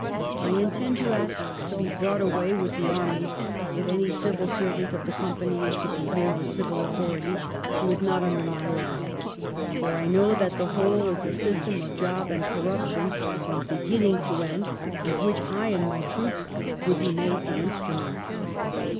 "I intend to ask to be brought away with the army if any civil servant of the Company is to be here with civil authority who is not under my orders, for I know that the whole is a system of job and corruption from beginning to end, of which I and my troops would be made the instruments.'